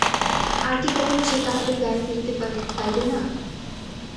আর কি কখনও সে তাহাদের গায়ে ফিরিতে পাইবে না?